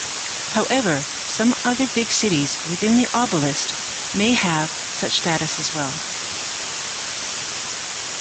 However, some other big cities within the oblast may have such status as well.